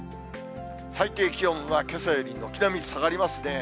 最低気温はけさより軒並み下がりますね。